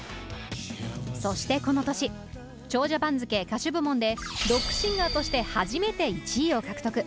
そしてこの年長者番付歌手部門でロックシンガーとして初めて１位を獲得。